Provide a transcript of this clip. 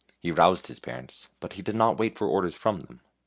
He roused his parents, but he did not wait for orders from them.